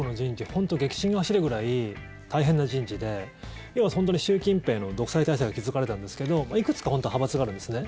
本当に激震が走るぐらい大変な人事で要は本当に習近平の独裁体制が築かれたんですけどいくつか本当は派閥があるんですね。